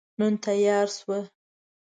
نن تیاره شوه